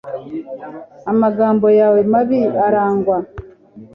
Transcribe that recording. Amagambo yawe mabi aragwa